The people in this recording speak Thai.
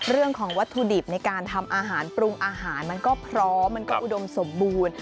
เรื่องของวัตถุดิบในการทำอาหารปรุงอาหารมันก็พร้อมมันก็อุดมสมบูรณ์